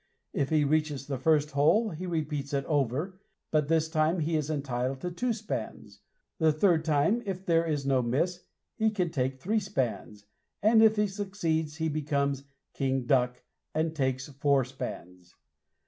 If he reaches the first hole, he repeats it over, but this time he is entitled to two spans. The third time, if there is no miss, he can take three spans, and if he succeeds, he becomes a "King Duck," and takes four spans.